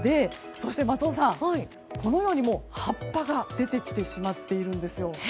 そして、このように葉っぱが出てきてしまっているんです。